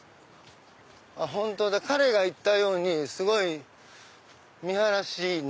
本当だ彼が言ったようにすごい見晴らしいいね。